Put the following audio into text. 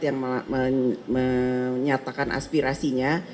yang menyatakan aspirasinya